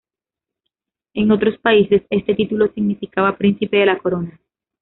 En otros países, este título significaba príncipe de la corona.